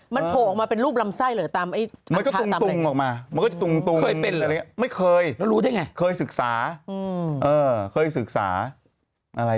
มันโผล่ออกมาเป็นรูปลำไส้หรือตามทางทะตามอะไร